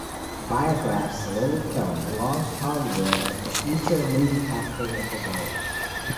Biograph's little film launched Hollywood as the future movie capital of the world.